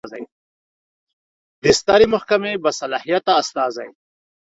د سترې محکمې باصلاحیته استازی